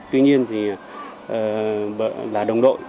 tuy nhiên là đồng đội